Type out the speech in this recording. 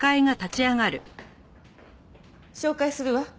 紹介するわ。